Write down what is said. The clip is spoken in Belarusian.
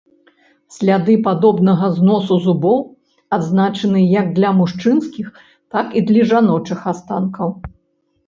Сляды падобнага зносу зубоў адзначаны як для мужчынскіх, так і для жаночых астанкаў.